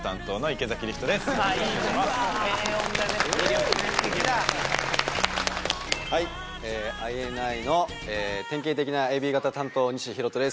池君はいＩＮＩの典型的なＡＢ型担当西洸人です